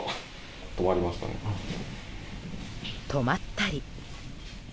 止まったり。